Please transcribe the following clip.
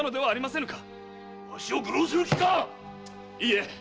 ⁉わしを愚弄する気か⁉いいえ